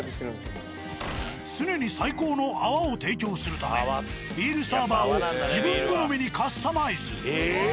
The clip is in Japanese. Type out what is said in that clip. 常に最高の泡を提供するためビールサーバーを自分好みにカスタマイズ。